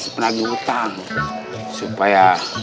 si penagih utang supaya